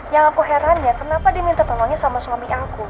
yang aku heran ya kenapa dia minta tolongnya sama suami aku